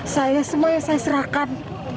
saya semuanya saya serahkan